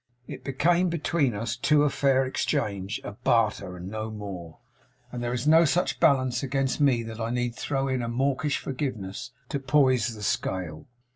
It became between us two a fair exchange a barter and no more; and there is no such balance against me that I need throw in a mawkish forgiveness to poise the scale.